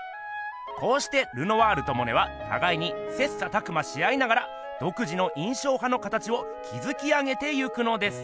こうしてルノワールとモネはたがいに切磋琢磨し合いながらどく自の印象派の形をきずき上げていくのです。